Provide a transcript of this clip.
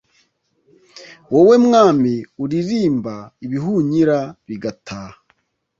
wowe mwami uririmba ibihunyira bigataha